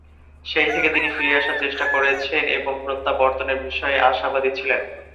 সেই থেকে তিনি ফিরে আসার চেষ্টা করেছেন এবং প্রত্যাবর্তনের বিষয়ে আশাবাদী ছিলেন।